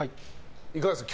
いかがですか？